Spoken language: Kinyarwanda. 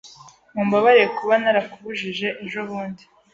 Mumbabarire kuba narakubujije ejobundi.